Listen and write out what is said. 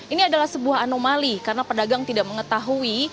ini adalah sebuah anomali karena pedagang tidak mengetahui